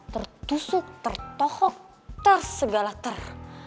tertusuk tertohok tersegala ter